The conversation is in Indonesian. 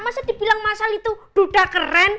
masa dibilang mas al itu duda keren